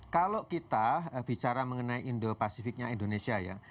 kalau kita bicara mengenai indo pasifiknya indonesia ya